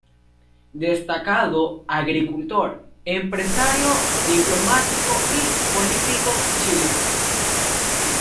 Destacado agricultor, empresario, diplomático y político chileno.